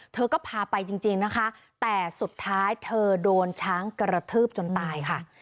เธอก็พาไปจริงนะคะแต่สุดท้ายเธอโดนช้างกระทืบจนตายค่ะ